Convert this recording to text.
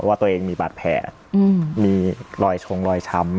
ว่าตัวเองมีแบตแผ่มีรอยชงรอยช้ำอะไรนะครับ